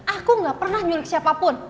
aku gak pernah nyurik siapapun